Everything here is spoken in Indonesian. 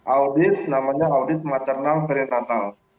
audit namanya audit maternal perinatal